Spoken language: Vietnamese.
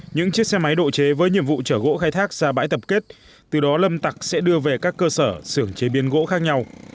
những chiếc xe máy độ chế với nhiệm vụ chở gỗ khai thác ra bãi tập kết từ đó lâm tặc sẽ đưa về các cơ sở xưởng chế biến gỗ khác nhau